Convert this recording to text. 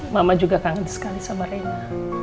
mama juga kangen sekali sama rena